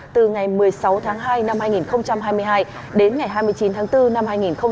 từ ngày một mươi sáu tháng hai năm hai nghìn hai mươi hai đến ngày hai mươi chín tháng bốn năm hai nghìn hai mươi ba